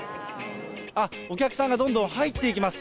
あっ、お客さんがどんどん入っていきます。